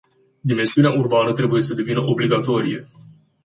Dimensiunea urbană trebuie să devină obligatorie.